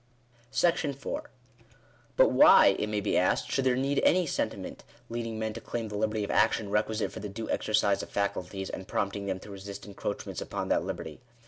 §4. But why, it may he asked, should there need any sentiment leading men to claim the liberty of action requisite for the due exercise of faculties, and prompting them to resist encroach ments upon that liberty